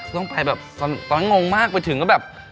ต้องไปแบบตอนนั้นงงมากไปถึงก็แบบ